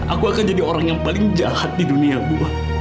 aku akan jadi orang yang paling jahat di dunia gue